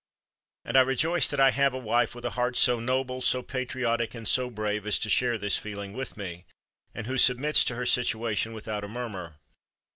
And I rejoice that I have a wife, with a heart so noble, so patriotic and so brave, as to share this feeling with me, and who submits to her situation without a murmur.